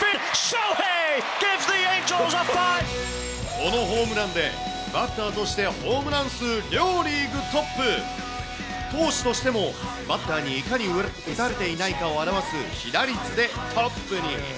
このホームランで、バッターとしてホームラン数、両リーグトップ、投手としてもバッターにいかに打たれていないかを表す被打率でトップに。